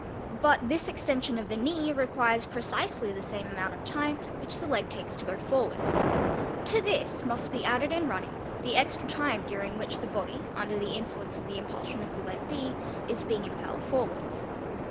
But this extension of the knee requires precisely the same amount of time which the leg takes to go forwards. To this must be added in running the extra time during which the body under the influence of the impulsion of the leg B is being impelled forwards.